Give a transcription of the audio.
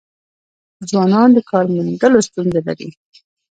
ځوانان د کار موندلو ستونزه لري.